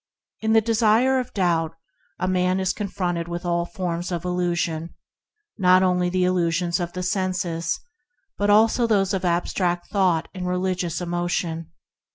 In the Desert of Doubt a man is con fronted with all forms of illusion, not only the illusions of the senses, but also those of abstract thought and religious emotion.